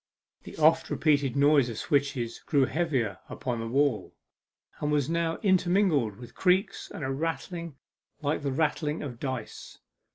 The oft repeated noise of switches grew heavier upon the wall, and was now intermingled with creaks, and a rattling like the rattling of dice.